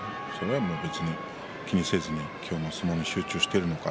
別に気にせずに今日の相撲に集中しているのか。